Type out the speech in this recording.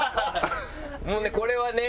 もうねこれはね。